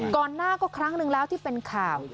ก่อนหน้าก็ครั้งหนึ่งแล้วที่เป็นข่าว